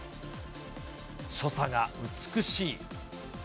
所作が美しい。